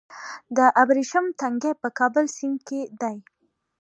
د ابریشم تنګی په کابل سیند کې دی